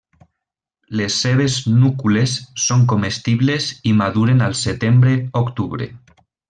Les seves núcules són comestibles i maduren al setembre-octubre.